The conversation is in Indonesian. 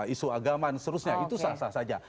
isu agama dan seterusnya itu sah sah saja